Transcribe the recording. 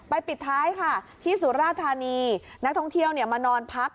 ปิดท้ายค่ะที่สุราธานีนักท่องเที่ยวมานอนพัก